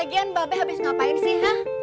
legian bapak habis ngapain sih huh